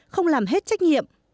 không làm hết trách nhiệm